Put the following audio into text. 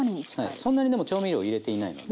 そんなにでも調味料入れていないので。